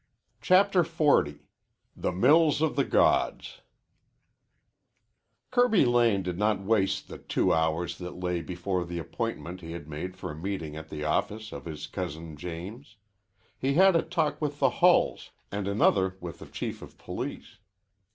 CHAPTER XL THE MILLS OF THE GODS Kirby Lane did not waste the two hours that lay before the appointment he had made for a meeting at the office of his cousin James. He had a talk with the Hulls and another with the Chief of Police.